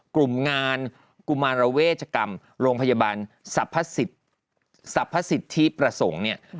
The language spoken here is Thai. กลุ่มงานกุมารเวชกรรมโรงพยาบาลสรรพสิทธิประสงค์เนี่ย